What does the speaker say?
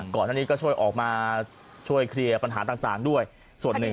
ก่อนอันนี้ก็ช่วยออกมาช่วยเคลียร์ปัญหาต่างด้วยส่วนหนึ่ง